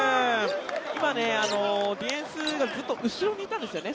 今、ディフェンスがずっと後ろにいたんですね。